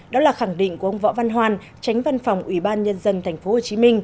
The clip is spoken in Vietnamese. đó là khẳng định của ông võ văn hoan tránh văn phòng ủy ban nhân dân tp hcm